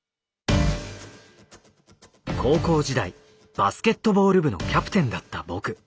高校時代バスケットボール部のキャプテンだった僕。